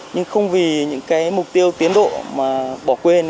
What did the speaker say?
nhưng không vì những mục tiêu tiến độ bỏ quên